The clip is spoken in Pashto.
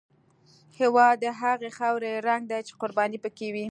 هېواد د هغې خاورې رنګ دی چې قرباني پکې وي.